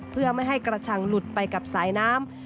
เพื่อไม่ให้กระชังหลุดไปกับสายน้ำ